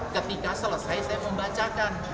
ketika selesai saya membacakan